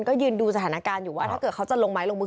ก็ยืนดูสถานการณ์อยู่ว่าถ้าเกิดเขาจะลงไม้ลงมือ